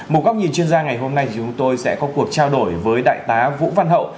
một góc nhìn chuyên gia ngày hôm nay thì chúng tôi sẽ có cuộc trao đổi với đại tá vũ văn hậu